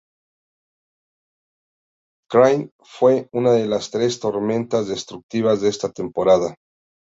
Crain fue una de las tres tormentas destructivas de esta temporada.